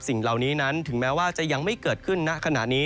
สิ่งเหล่านี้นั้นถึงแม้ว่าจะยังไม่เกิดขึ้นณขณะนี้